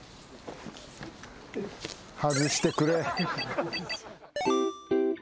外してくれ。